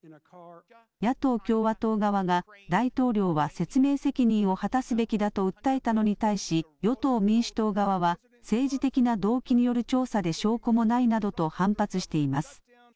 野党・共和党側が大統領は説明責任を果たすべきだと訴えたのに対し与党・民主党側は政治的な動機による調査で証拠もないなどと反発しています。